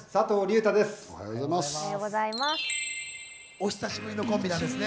お久しぶりのコンビなんですね。